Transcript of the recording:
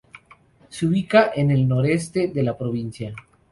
Se ubica en el noreste de la provincia.